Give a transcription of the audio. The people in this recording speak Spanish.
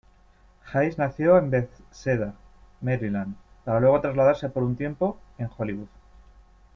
Hays nació en Bethesda, Maryland, para luego trasladarse por un tiempo en Hollywood.